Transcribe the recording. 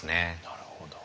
なるほど。